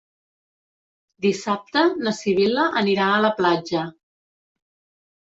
Dissabte na Sibil·la anirà a la platja.